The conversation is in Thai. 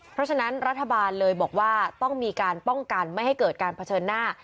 เพราะฉะนั้นรัฐบาลเลยบอกว่าต้องมีการป้องกันไม่ให้เกิดการเผชิญหน้า